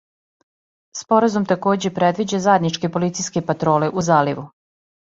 Споразум такође предвиђа заједничке полицијске патроле у заливу.